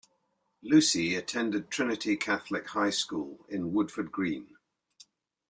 Lucy attended Trinity Catholic High School in Woodford Green.